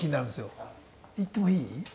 いってもいい？